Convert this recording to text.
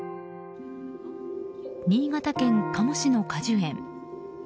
新潟県加茂市の果樹園。